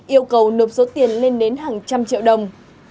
yêu cầu nộp số tiền lên đến hàng trăm triệu đồng